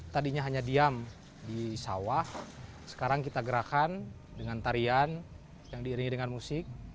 tadinya hanya diam di sawah sekarang kita gerakan dengan tarian yang diiringi dengan musik